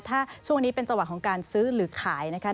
ถ้าช่วงนี้เป็นจังหวะของการซื้อหรือขายนะคะ